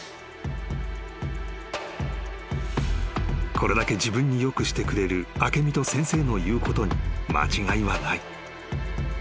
［これだけ自分によくしてくれる明美と先生の言うことに間違いはない］